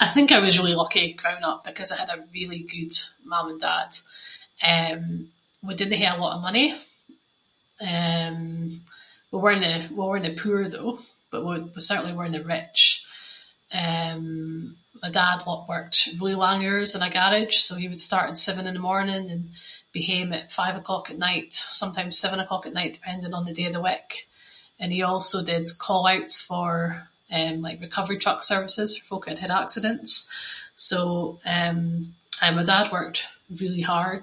I think I was really lucky growing up, ‘cause I had a really good mam and dad. Eh, we didnae hae a lot of money. Eh we werenae- we werenae poor though, but we certainly werenae rich. Eh my dad [inc] worked [inc] in a garage. So, he would start at seven in the morning and be hame at five o’clock at night, sometimes seven o’clock at night depending on the day of the week. And he also did call outs for, eh, like recovery truck services, folk that had had accidents. So eh, eh, my dad worked really hard.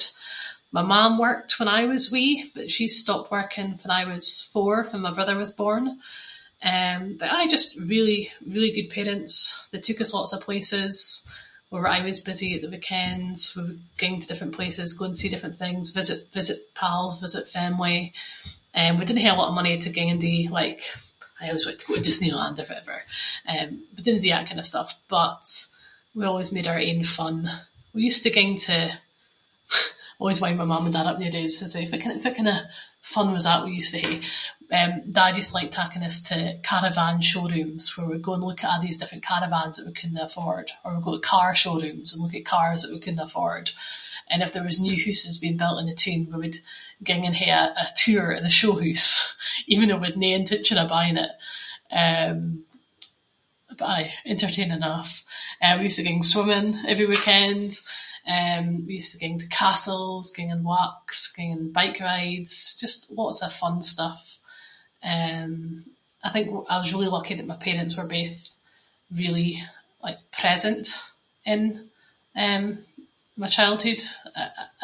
My mam worked fann I was wee, but she stopped working fann I was four, fann my brother was born. Eh, but aye, just really really good parents, they took us lots of places. We were aieways busy at the weekends, we would ging to different places, go and see different things, visit- visit pals, visit family. Eh we didnae hae a lot of money to ging and do- like I aieways wanted to go to Disneyland or fittever, eh we didnae do that kind of stuff, but we always made our own fun. We used to ging to- always wind my mam and dad up, we used to say “fitt kind of, fitt kind of fun was that we used to hae?”. Eh, dad used to like taking us to caravan showrooms where we’d go and look at a’ these different caravans that we couldnae afford, or we’d go to car showrooms and look at cars that we couldnae afford. And if there was new hooses being built in the toon, we would ging and hae a tour of the showhoose, even with no intention of buying it. Eh, but aye, entertaining enough. Eh, we used to ging swimming every weekend, eh we used to ging to castles, ging on walks, ging on bike rides, just lots of fun stuff. Eh I think w- I was really lucky that my parents were both really like present in, eh, my childhood.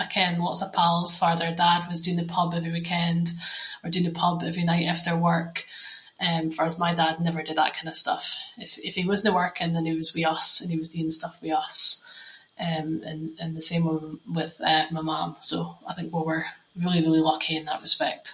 I ken lots of pal’s farr there dad was doon the pub every weekend, or doon the pub every night after work, eh farras my dad never did that kind of stuff. Eh if he wasnae working then he was with us, and he was doing stuff with us. Eh and the same way with my mum, so I think we were really really lucky in that respect.